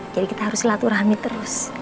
jadi kita harus silaturahmi terus